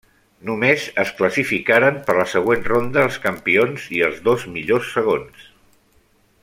Només es classificaren per la següent ronda els campions i els dos millors segons.